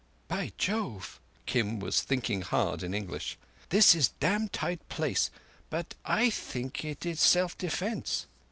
"By Jove!" Kim was thinking hard in English. "This is dam' tight place, but I think it is self defence."